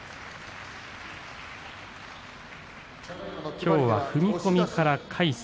きょうは踏み込みから魁聖。